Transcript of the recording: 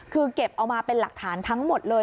คือเก็บเอามาเป็นหลักฐานทั้งหมดเลย